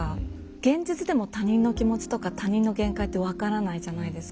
現実でも他人の気持ちとか他人の限界って分からないじゃないですか。